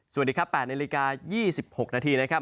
สวัสดีครับแปดในริกายี่สิบหกนาทีนะครับ